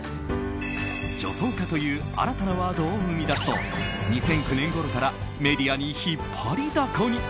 女装家という新たなワードを生み出すと２００９年ごろからメディアに引っ張りだこに。